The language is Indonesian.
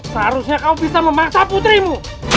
seharusnya kau bisa memaksa putrimu